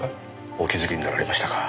お気づきになられましたか。